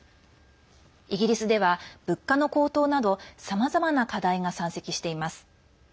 イギリスでは、物価の高騰などさまざまな課題が山積しています。